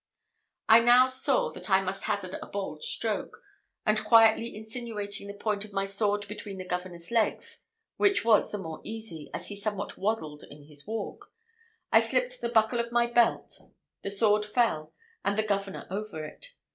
I now saw that I must hazard a bold stroke; and quietly insinuating the point of my sword between the governor's legs, which was the more easy, as he somewhat waddled in his walk, I slipped the buckle of my belt, the sword fell, and the governor over it.